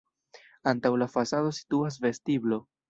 Antaŭ la fasado situas vestiblo.